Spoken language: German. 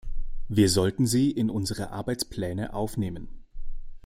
Wir sollten sie in unsere Arbeitspläne aufnehmen.